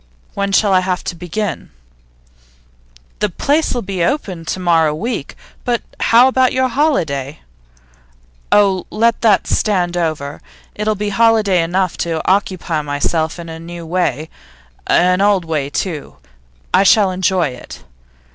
'When shall I have to begin?' 'The place'll be opened to morrow week. But how about your holiday?' 'Oh, let that stand over. It'll be holiday enough to occupy myself in a new way. An old way, too; I shall enjoy it.